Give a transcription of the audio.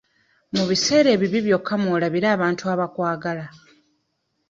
Mu biseera ebibi byokka mw'olabira abantu abakwagala.